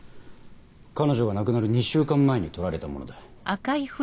彼女が亡くなる２週間前に撮られたものだ。